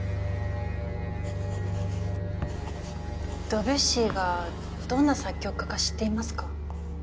ドビュッシーがどんな作曲家か知っていますか？